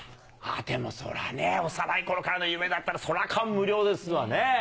でもそりゃね、幼いころからの夢だったら、そりゃあ、感無量ですわね。